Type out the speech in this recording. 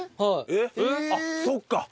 あっそっか。